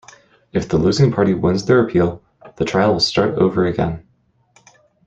If the losing party wins their appeal, the trial will start over again.